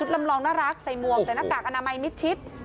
ลำลองน่ารักใส่หมวกใส่หน้ากากอนามัยมิดชิด